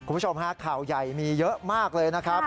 คุณผู้ชมฮะข่าวใหญ่มีเยอะมากเลยนะครับ